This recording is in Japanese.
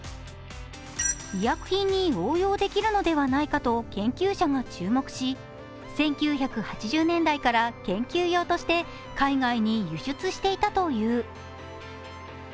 医薬品に応用できるのではないかと研究者が注目し１９８０年代から研究用として海外に輸出していたという。